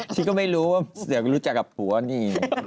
ชิคก็ไม่รู้ว่าเสียงรู้จักกับหัวนี่